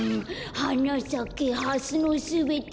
「はなさけハスのすべて」